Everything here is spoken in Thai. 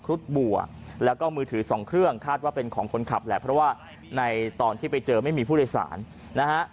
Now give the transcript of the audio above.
รุดบัวแล้วก็มือถือสองเครื่องคาดว่าเป็นของคนขับแหละเพราะว่าในตอนที่ไปเจอไม่มีผู้โดยสารนะฮะ